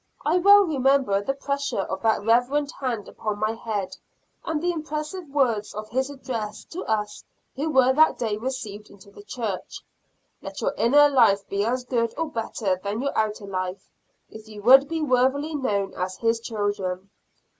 I well remember the pressure of that reverend hand upon my head, and the impressive words of his address to us who were that day received into the church "Let your inner life be as good or better than your outer life, if you would be worthily known as His children."